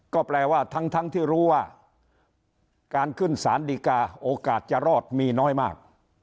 ก็แปลว่าทั้งที่รู้ว่าการขึ้นสารดีกาโอกาสจะรอดมีน้อยมาก